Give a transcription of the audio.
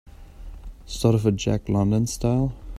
Sort of a Jack London style?